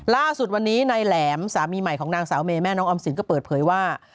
ล่าสุดวันนี้นายแหลมสามีใหม่ของนางสาวเมแม่น้องออมสินก็เปิดเผยว่า